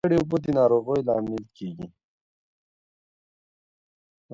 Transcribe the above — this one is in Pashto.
ککړې اوبه د ناروغیو لامل کیږي.